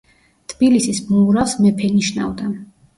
თბილისის მოურავს მეფე ნიშნავდა.